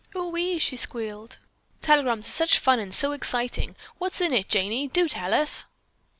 "Ohee," she squealed, "telegrams are such fun and so exciting. What's in it, Janey, do tell us!"